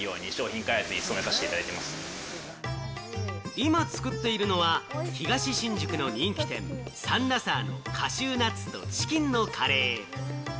今、作っているのは東新宿の人気店サンラサーのカシューナッツとチキンのカレー。